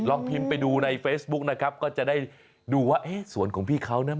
ลองพิมพ์ไปดูในเฟซบุ๊คนะครับก็จะได้ดูว่าสวนของพี่เขานะ